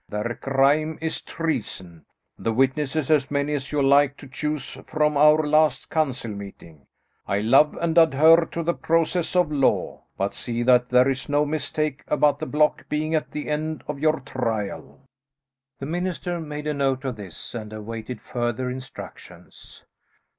Their crime is treason; the witnesses as many as you like to choose from our last council meeting. I love and adhere to the processes of law, but see that there is no mistake about the block being at the end of your trial." The minister made a note of this and awaited further instructions.